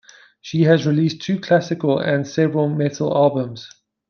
She has released two classical and several metal albums.